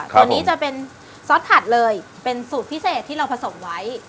ตัวนี้จะเป็นซอสถัดเลยเป็นสูตรพิเศษที่เราผสมไว้